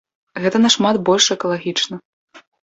Гэта нашмат больш экалагічна.